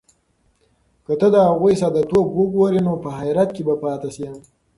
که ته د هغوی ساده توب وګورې، نو په حیرت کې به پاتې شې.